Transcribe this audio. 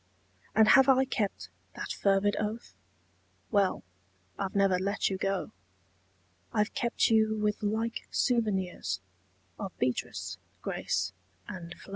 And have I kept that fervid oath? Well I've never let you go: I've kept you with like souvenirs Of Beatrice, Grace and Flo.